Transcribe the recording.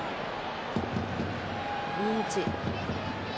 いい位置。